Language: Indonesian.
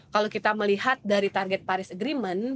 kalau kita melihat dari target paris agreement